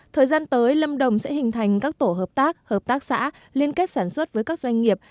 thời gian tới lâm đồng sẽ hình thành các tổ hợp tác hợp tác xã liên kết sản xuất với các doanh nghiệp